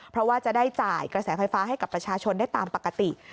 เพราะว่าจะได้จ่ายกระแสไฟฟ้าให้กับประชาชนได้ตามปกติ